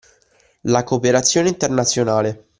La cooperazione internazionale